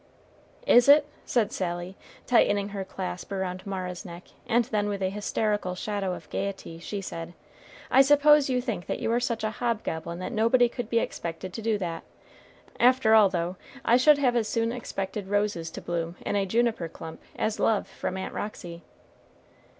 "Is it?" said Sally, tightening her clasp around Mara's neck; and then with a hysterical shadow of gayety she said, "I suppose you think that you are such a hobgoblin that nobody could be expected to do that. After all, though, I should have as soon expected roses to bloom in a juniper clump as love from Aunt Roxy."